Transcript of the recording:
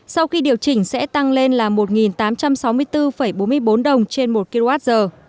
sau khi điều chỉnh sẽ tăng lên là một tám trăm sáu mươi bốn bốn mươi bốn đồng trên một kwh